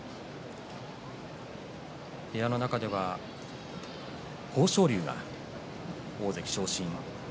部屋の中では豊昇龍が大関昇進。